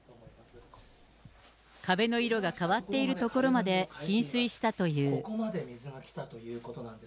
壁の色が変わっている所まで浸水したという。